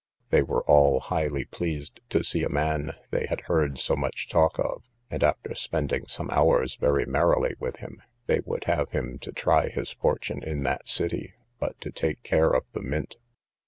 They were all highly pleased to see a man they had heard so much talk of, and, after spending some hours very merrily with him, they would have him to try his fortune in that city, but to take care of the mint.